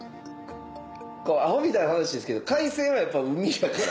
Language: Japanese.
アホみたいな話ですけど「海鮮」はやっぱ海やから。